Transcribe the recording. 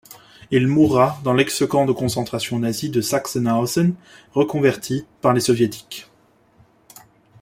Il mourra dans l'ex-camp de concentration nazi de Sachsenhausen, reconverti par les Soviétiques.